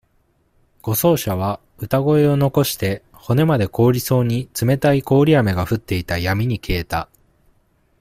護送車は、歌声を残して、骨まで凍りそうに冷たい氷雨が降っていた闇に消えた。